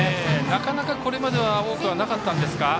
なかなか、これまでは多くはなかったですが。